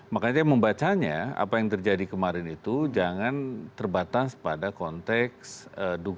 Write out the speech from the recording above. makanya membacanya apa yang terjadi kemarin itu jangan terbatas pada konteks dugaan penistaan agama oleh ahok